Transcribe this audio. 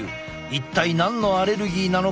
一体何のアレルギーなのか？